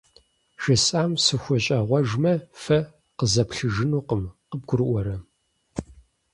ЖысӀам сыхущӀегъуэжмэ фэ къызаплъыжынукъым, къыбгурыӀуэрэ?